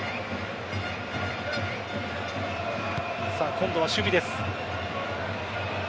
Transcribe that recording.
今度は守備です。